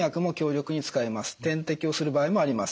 点滴をする場合もあります。